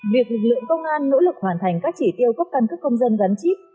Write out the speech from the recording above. việc lực lượng công an nỗ lực hoàn thành các chỉ tiêu cấp cân cấp công dân gắn chip